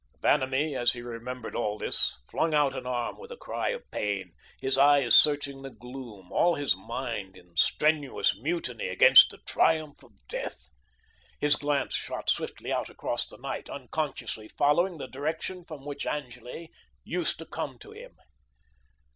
Vanamee, as he remembered all this, flung out an arm with a cry of pain, his eyes searching the gloom, all his mind in strenuous mutiny against the triumph of Death. His glance shot swiftly out across the night, unconsciously following the direction from which Angele used to come to him.